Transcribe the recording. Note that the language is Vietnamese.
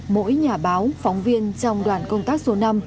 mỗi nhà báo phóng viên trong đoàn công tác số năm